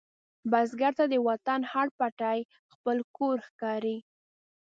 بزګر ته د وطن هر پټی خپل کور ښکاري